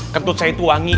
kentut saya itu wangi